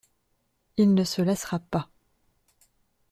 Il ne se lassera pas.